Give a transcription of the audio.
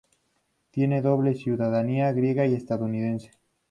Tiene doble ciudadanía griega y estadounidense.